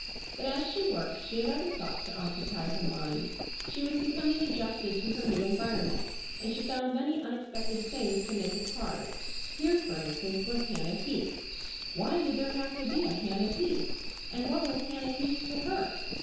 But as she worked she had other thoughts to occupy her mind. She was becoming adjusted to her new environment and she found many unexpected things to make it hard. Here, for instance, was Hannah Heath. Why did there have to be a Hannah Heath? And what was Hannah Heath to her?